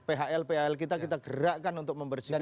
phl phl kita kita gerakkan untuk membersihkan